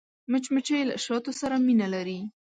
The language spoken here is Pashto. مچمچۍ له شاتو سره مینه لري